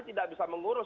tidak bisa mengurus